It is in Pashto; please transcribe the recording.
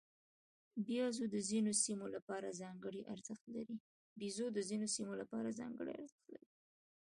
بیزو د ځینو سیمو لپاره ځانګړی ارزښت لري.